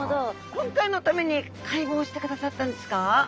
今回のために解剖してくださったんですか？